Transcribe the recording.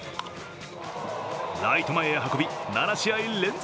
ライト前へ運び７試合連続